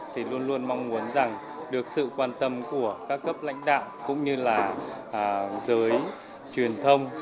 thì luôn luôn mong muốn rằng được sự quan tâm của các cấp lãnh đạo cũng như là giới truyền thông